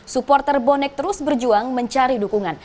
supporter bonek terus berjuang mencari dukungan